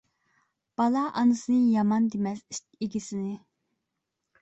بالا ئانىسىنى يامان دېمەس، ئىت ئىگىسىنى.